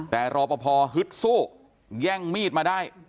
แต่รอปภฮึดสู้แย่งมีดมาได้